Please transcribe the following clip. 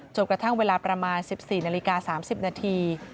กระทั่งเวลาประมาณ๑๔นาฬิกา๓๐นาที